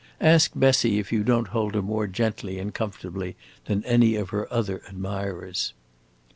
Ask Bessie if you don't hold her more gently and comfortably than any of her other admirers."